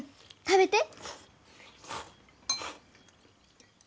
食べて！